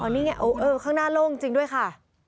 นี่ไงข้างหน้าโล่งจริงด้วยค่ะ